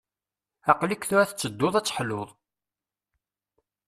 Aql-ik tura tettedduḍ ad teḥluḍ.